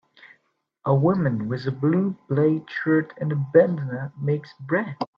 A woman with a blue plaid shirt and a bandanna makes bread.